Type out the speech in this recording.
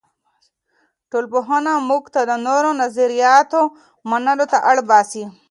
ټولنپوهنه موږ ته د نورو نظریاتو منلو ته اړ باسي.